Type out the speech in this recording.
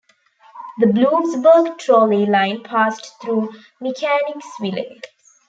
The Bloomsburg Trolley Line passed through Mechanicsville.